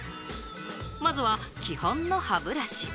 まずは基本の歯ブラシ。